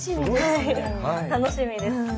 楽しみです。